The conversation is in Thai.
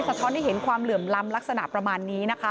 ท้อนให้เห็นความเหลื่อมล้ำลักษณะประมาณนี้นะคะ